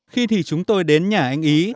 khi thì chúng tôi đến nhà anh ý